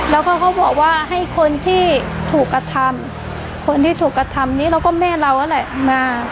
แล้วก็เขาบอกว่าให้คนที่ถูกกระทำคนที่ถูกกระทำนี้แล้วก็แม่เรานั่นแหละมา